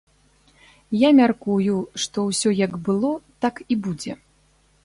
Я мяркую, што ўсё як было, так і будзе.